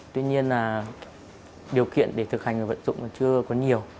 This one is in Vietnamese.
tuy nhiên là điều kiện để thực hành và vận dụng còn chưa có nhiều